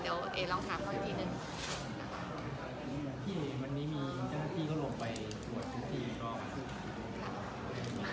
เดี๋ยวเอฉลองถาม